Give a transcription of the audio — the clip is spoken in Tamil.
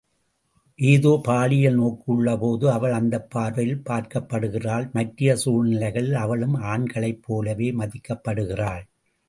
ஏதோ பாலியல் நோக்கு உள்ளபோது அவள் அந்தப் பார்வையில் பார்க்கப்படுகிறாள் மற்றைய சூழ்நிலைகளில் அவளும் ஆண்களைப் போலவே மதிக்கப்படுகிறாள்.